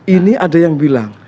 ini ada yang bilang